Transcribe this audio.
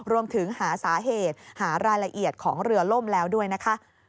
รวมถึงหาสาเหตุหารายละเอียดของเรือล่มแล้วด้วยนะคะ